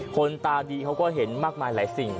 คนตาดีเขาก็เห็นมากมายหลายสิ่ง